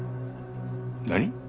何！？